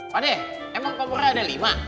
waduh emang kompornya ada lima